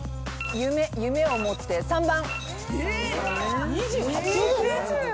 夢を持って３番。